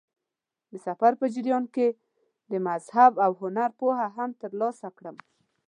د سفر په جریان کې د مذهب او هنر پوهه هم ترلاسه کړم.